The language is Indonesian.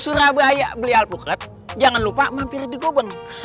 surabaya belial puket jangan lupa mampir di gobang